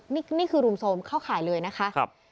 นี่คือรุมโทรมเข้าข่ายเลยนะคะ